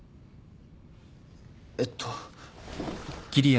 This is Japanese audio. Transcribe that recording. えっと。